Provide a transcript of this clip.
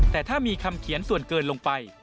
แต่ถ้ามีคำเขียนส่วนเกินลงไป